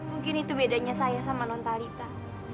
mungkin itu bedanya saya sama non talita